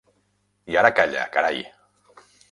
I ara calla, carai!